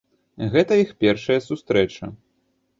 Гэта іх першая сустрэча.